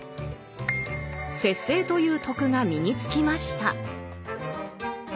節制という「徳」が身につきました。